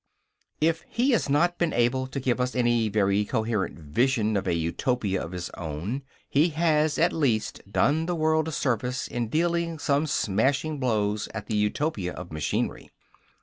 If he has not been able to give us any very, coherent vision of a Utopia of his own, he has, at least, done the world a service in dealing some smashing blows at the Utopia of machinery.